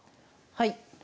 はい。